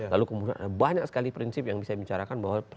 lalu kemudian banyak sekali prinsip yang bisa bicarakan bahwa